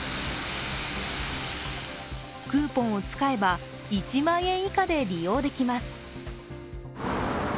クーポンを使えば１万円以下で利用できます。